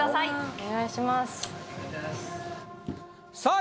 お願いしますさあ